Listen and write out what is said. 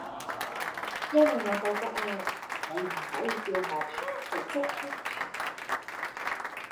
因為我覺得呀你唔可以叫我拍就即刻拍